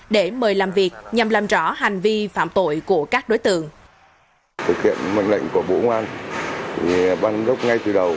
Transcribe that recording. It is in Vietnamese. để mời làm việc nhằm làm rõ hành vi phạm tội của các đối tượng